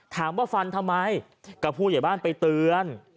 ถามว่าฟันทำไมก็ผู้ใหญ่บ้านไปเตือน